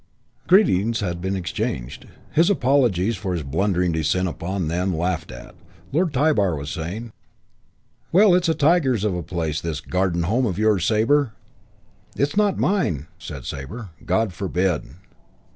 VI Greetings had been exchanged; his apologies for his blundering descent upon them laughed at. Lord Tybar was saying, "Well, it's a tiger of a place, this Garden Home of yours, Sabre " "It's not mine," said Sabre. "God forbid."